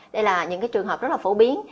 đây là những trường hợp rất là phổ biến